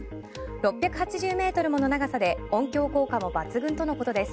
６８０ｍもの長さで音響効果も抜群とのことです。